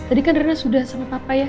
tadi kan rina sudah sama papa ya